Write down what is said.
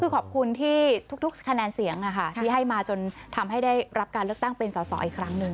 คือขอบคุณที่ทุกคะแนนเสียงที่ให้มาจนทำให้ได้รับการเลือกตั้งเป็นสอสออีกครั้งหนึ่ง